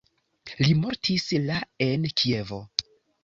Li mortis la en Kievo.